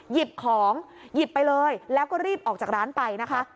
หยิบของหยิบไปเลยแล้วก็รีบออกจากร้านไปนะคะ